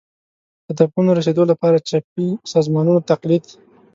هدفونو رسېدو لپاره چپي سازمانونو تقلید